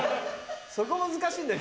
そこ難しいんだよ